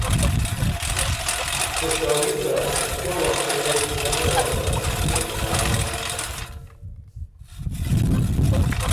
کھوشالی تہ کیہ وختہ ایس نی آگا زمانا